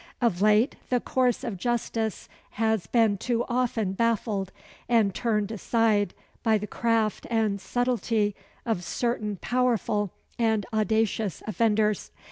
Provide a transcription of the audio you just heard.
Of late, the course of justice has been too often baffled and turned aside by the craft and subtlety of certain powerful and audacious offenders.